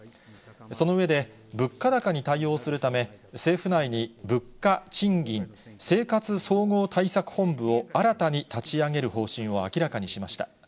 その上で、物価高に対応するため、政府内に物価・賃金・生活総合対策本部を新たに立ち上げる方針を明らかにしました。